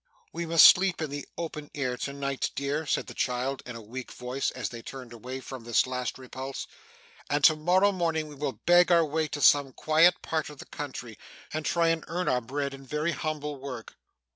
'We must sleep in the open air to night, dear,' said the child in a weak voice, as they turned away from this last repulse; 'and to morrow we will beg our way to some quiet part of the country, and try to earn our bread in very humble work.